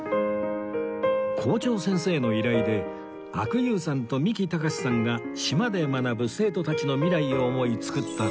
校長先生の依頼で阿久悠さんと三木たかしさんが島で学ぶ生徒たちの未来を思い作った校歌